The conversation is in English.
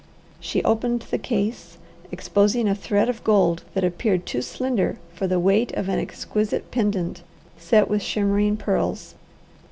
She opened the case, exposing a thread of gold that appeared too slender for the weight of an exquisite pendant, set with shimmering pearls.